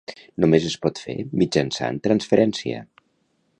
Només es pot fer mitjançant transferència.